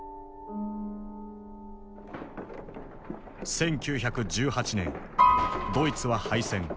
１９１８年ドイツは敗戦。